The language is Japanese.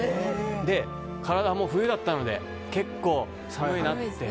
体も冬だったので結構、寒いなって。